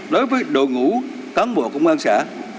đối với đội ngũ tám bộ công an xã